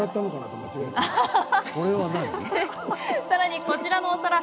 さらに、こちらのお皿。